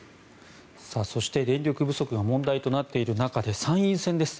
そして電力不足が問題となっている中で参院選です。